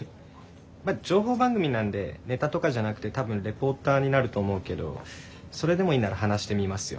まぁ情報番組なんでネタとかじゃなくて多分レポーターになると思うけどそれでもいいなら話してみますよ。